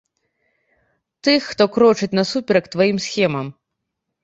Тых, хто крочыць насуперак тваім схемам.